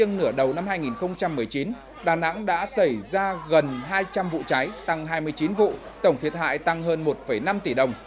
nửa đầu năm hai nghìn một mươi chín đà nẵng đã xảy ra gần hai trăm linh vụ cháy tăng hai mươi chín vụ tổng thiệt hại tăng hơn một năm tỷ đồng